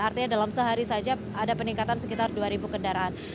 artinya dalam sehari saja ada peningkatan sekitar dua kendaraan